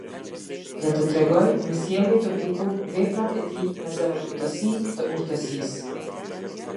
Le të tregojë me sjellje të bukur veprat e tij me zemërbutësi të urtësisë.